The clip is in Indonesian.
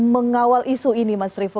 mengawal isu ini mas revo